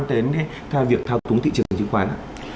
tới việc thao túng thị trường chứng khoán